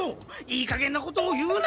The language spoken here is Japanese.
いいかげんなことを言うな！